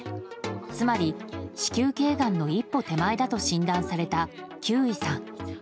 つまり子宮頸がんの一歩手前だと診断された休井さん。